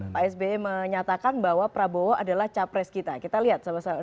pak sby menyatakan bahwa prabowo adalah capres kita kita lihat sama sama